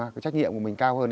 cái trách nhiệm của mình cao hơn